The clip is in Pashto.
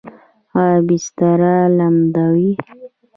ایا بستر لمدوي؟